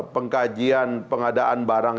pengkajian pengadaan barang